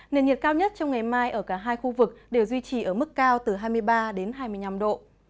nền nhiệt cao nhất trong ngày mai ở cả hai khu vực đều duy trì ở mức cao từ hai mươi ba đến hai mươi năm độ